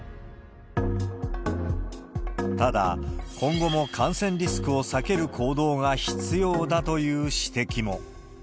ただ、今後も感染リスクを避ける行動が必要だという指摘も。